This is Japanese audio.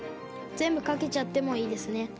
全部かけちゃってもいいですね。